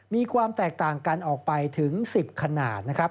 มีความแตกต่างกันออกไปถึง๑๐ขนาดนะครับ